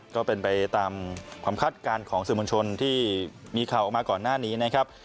ก็เป็นไปตามความคาดการณ์ของสื่อมวลชนที่มีข่าวออกมาก่อนหน้านี้นะครับ